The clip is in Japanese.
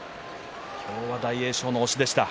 今日は大栄翔の押しでした。